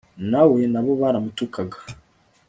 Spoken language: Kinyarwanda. na we na bo baramutukaga